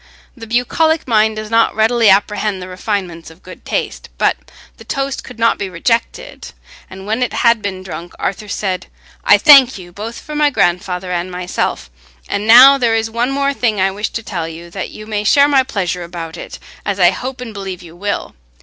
The bucolic mind does not readily apprehend the refinements of good taste. But the toast could not be rejected and when it had been drunk, Arthur said, "I thank you, both for my grandfather and myself; and now there is one more thing I wish to tell you, that you may share my pleasure about it, as I hope and believe you will.